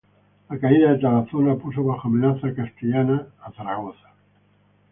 La caída de Tarazona puso bajo amenaza castellana Zaragoza.